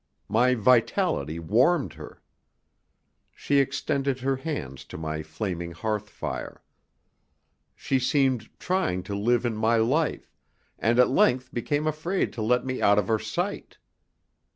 My vitality warmed her. She extended her hands to my flaming hearthfire. She seemed trying to live in my life, and at length became afraid to let me out of her sight.